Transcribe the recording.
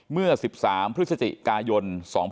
เมื่อ๑๓พฤศจิกายน๒๕๖๒